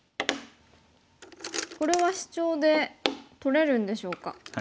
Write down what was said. これはシチョウで取れるんでしょうか？